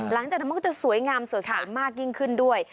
หลังจากนั้นมันก็จะสวยงามสดใสมากยิ่งขึ้นด้วย